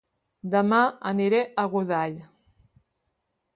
Dema aniré a Godall